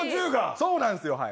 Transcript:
そうなんですよ。